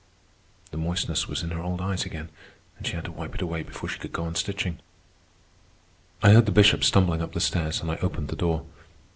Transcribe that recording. The moistness was in her old eyes again, and she had to wipe it away before she could go on stitching. I heard the Bishop stumbling up the stairs, and I opened the door.